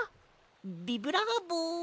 ビブラーボ。